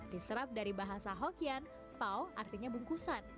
diserap dari bahasa hokian pao artinya bungkusan